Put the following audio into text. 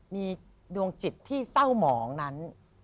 มีดวงจิตที่เศร้าหมองนั้น